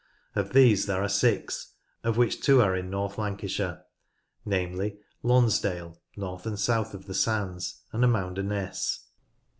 Of these there are six, of which two are in North Lancashire, namely Lonsdale (north and south of the Sands) and Amounderness.